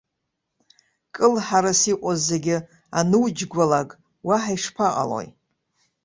Кылҳарас иҟоу зегьы ануџьгәалак, уаҳа ишԥаҟалои!